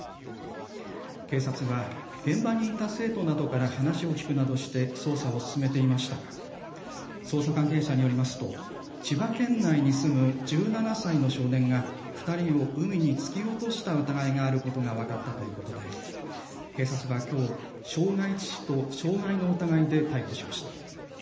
警察は現場にいた生徒などから話を聞くなどして捜査を進めていましたが、捜査関係者によりますと千葉県内に住む１７歳の少年が２人を海に突き落とした疑いがあることが分かったということで警察はきょう傷害致死と傷害の疑いで逮捕しました。